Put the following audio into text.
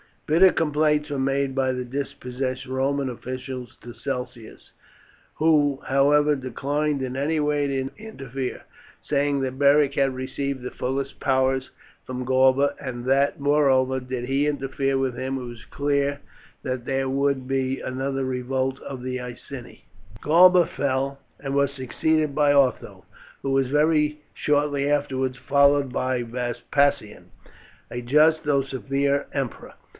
Bitter complaints were made by the dispossessed Roman officials to Celsius, who, however, declined in any way to interfere, saying that Beric had received the fullest powers from Galba, and that, moreover, did he interfere with him it was clear that there would be another revolt of the Iceni. Galba fell, and was succeeded by Otho, who was very shortly afterwards followed by Vespasian, a just, though severe emperor.